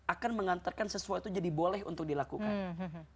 akan mengantarkan sesuatu jadi boleh untuk dilakukan